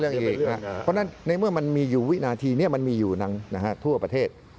เพราะฉะนั้นในเมื่อมันมีอยู่วินาทีนี้มันมีอยู่ทั่วประเทศ